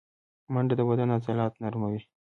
منډه د بدن عضلات نرموي